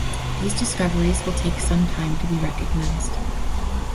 These discoveries will take some time to be recognized.